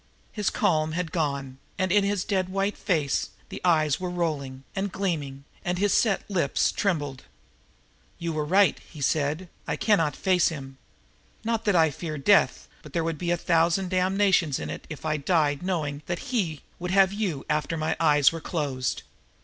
His calm had gone, and in his dead white face the eyes were rolling and gleaming, and his set lips trembled. "You were right," he said, "I cannot face him. Not that I fear death, but there would be a thousand damnations in it if I died knowing that he would have you after my eyes were closed.